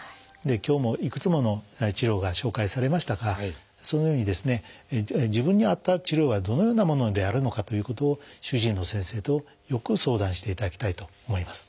今日もいくつもの治療が紹介されましたがそのようにですね自分に合った治療はどのようなものであるのかということを主治医の先生とよく相談していただきたいと思います。